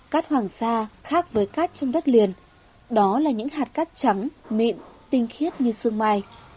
cát hoàng sa khác với cát trong đất liền đó là những hạt cát trắng mịn tinh khiết như sương mai